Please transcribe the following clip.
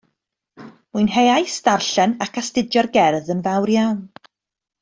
Mwynheais ddarllen ac astudio'r gerdd yn fawr iawn